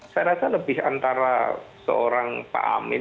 saya rasa lebih antara seorang pak amin